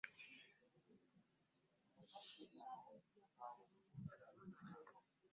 Bino ebya Ssiniya ey'okuna mu kkomera ly'e Luzira.